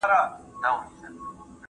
که نجونې څاه وکیني نو اوبه به نه وي لرې.